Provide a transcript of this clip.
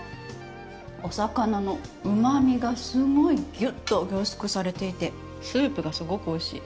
お魚のうまみがすごいぎゅっと凝縮されていてスープがすごくおいしい。